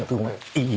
いい？